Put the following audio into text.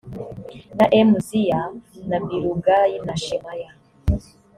na m ziya na bilugayi na shemaya